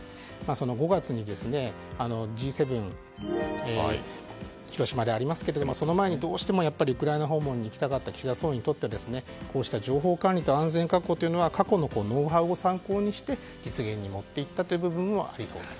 ５月にＧ７、広島でありますけどその前にどうしてもウクライナ訪問に行きたかった岸田総理にとってはこうした情報管理と安全確保は過去のノウハウを参考にして実現にもっていったという部分もいっていいそうです。